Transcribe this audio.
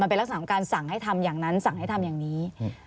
เป็นลักษณะของการสั่งให้ทำอย่างนั้นสั่งให้ทำอย่างนี้